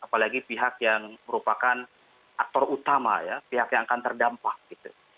apalagi pihak yang merupakan aktor utama ya pihak yang akan terdampak gitu